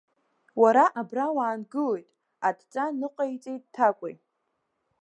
Уара абра уаангылоит, адҵа ныҟаиҵеит Ҭакәи.